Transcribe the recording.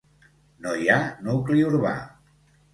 No hi ha nucli urbà.